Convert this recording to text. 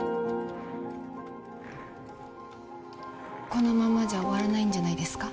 このままじゃ終わらないんじゃないですか？